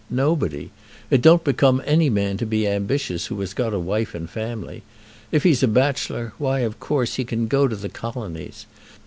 Nobody. It don't become any man to be ambitious who has got a wife and family. If he's a bachelor, why, of course, he can go to the Colonies.